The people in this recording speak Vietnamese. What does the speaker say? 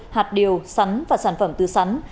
hạt điều sắn và sản phẩm tư sắn